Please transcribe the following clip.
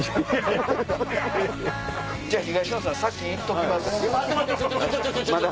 東野さん先行っときます。